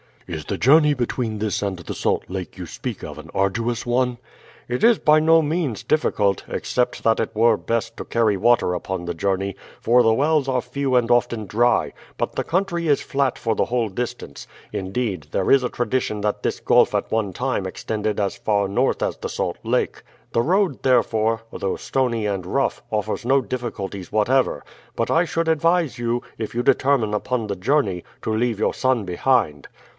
"Is the journey between this and the Salt Lake you speak of an arduous one?" "It is by no means difficult, except that it were best to carry water upon the journey, for the wells are few and often dry; but the country is flat for the whole distance; indeed, there is a tradition that this gulf at one time extended as far north as the Salt Lake. The road, therefore, though stony and rough, offers no difficulties whatever; but I should advise you, if you determine upon the journey, to leave your son behind."